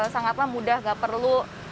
sangatlah mudah gak perlu